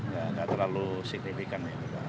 tidak terlalu signifikan